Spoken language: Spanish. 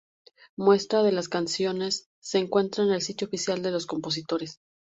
Muestras de las canciones se encuentran en el sitio oficial de los compositores.